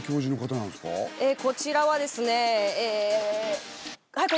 こちらはですねえ。